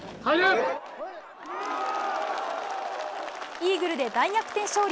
イーグルで大逆転勝利。